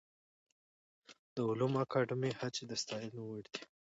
د علومو اکاډمۍ هڅې د ستاینې وړ دي.